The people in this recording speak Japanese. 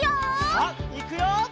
さあいくよ！